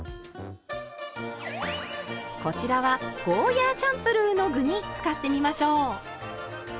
こちらはゴーヤーチャンプルーの具に使ってみましょう。